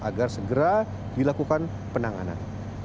agar segera dilakukan penanganan